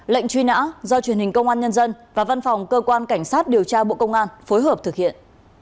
lệnh truy nã do truyền hình công an nhân dân và văn phòng cơ quan cảnh sát điều tra bộ công an phối hợp thực hiện